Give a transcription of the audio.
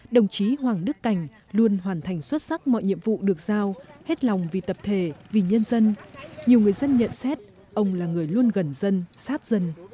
đồng chí hoàng đức cảnh luôn hoàn thành xuất sắc mọi nhiệm vụ được giao hết lòng vì tập thể vì nhân dân nhiều người dân nhận xét ông là người luôn gần dân sát dân